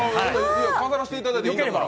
飾らせていただいていいですか？